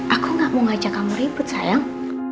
aku gak mau ngajak kamu ribut sayang